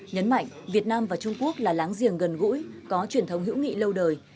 nhấn mạnh việt nam và trung quốc là láng giềng gần gũi có truyền thống hữu nghị lâu đời